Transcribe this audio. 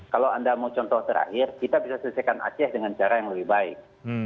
kalau anda mau contoh terakhir kita bisa selesaikan aceh dengan cara yang lebih baik